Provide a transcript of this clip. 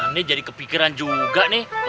ini jadi kepikiran juga nih